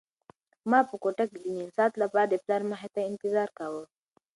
ما په کوټه کې د نيم ساعت لپاره د پلار مخې ته انتظار کاوه.